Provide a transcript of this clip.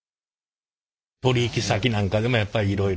取引先なんかでもやっぱいろいろ？